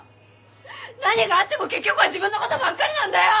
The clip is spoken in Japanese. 何があっても結局は自分の事ばっかりなんだよ！